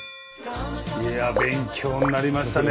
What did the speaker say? いや勉強になりましたね